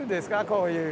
こういう。